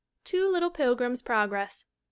Two Little Pilgrims' Progress, 1896.